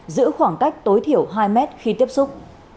giữ khoảng cách tối thiểu hai mét khi tiếp xúc